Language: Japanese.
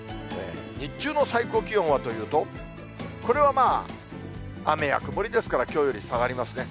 日中の最高気温はというと、これはまあ、雨や曇りですから、きょうより下がりますね。